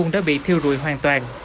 đã bị thiêu rụi hoàn toàn